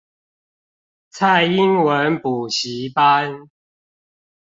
菜英文補習班